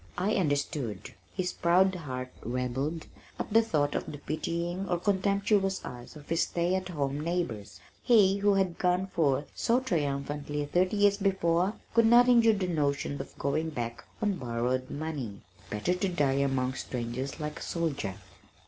I understood. His proud heart rebelled at the thought of the pitying or contemptuous eyes of his stay at home neighbors. He who had gone forth so triumphantly thirty years before could not endure the notion of going back on borrowed money. Better to die among strangers like a soldier.